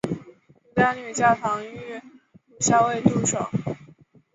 鱼干女嫁唐御侮校尉杜守。